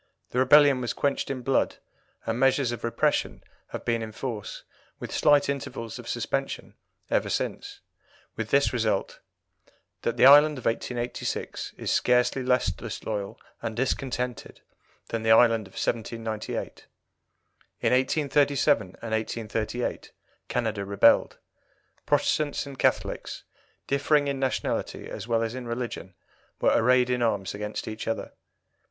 The rebellion was quenched in blood, and measures of repression have been in force, with slight intervals of suspension, ever since, with this result that the Ireland of 1886 is scarcely less disloyal and discontented than the Ireland of 1798. In 1837 and 1838 Canada rebelled. Protestants and Catholics, differing in nationality as well as in religion, were arrayed in arms against each other.